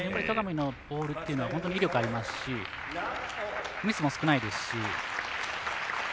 戸上のボールっていうのは本当に威力ありますしミスも少ないですし。